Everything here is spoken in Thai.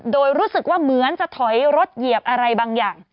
โดยรู้สึกว่าเหมือนจะถอยรถเหยียบอะไรบางอย่าง